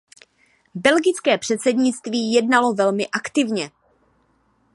Belgické předsednictví jednalo velmi aktivně.